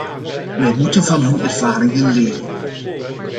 Wij moeten van hun ervaringen leren.